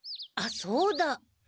あっそうだ。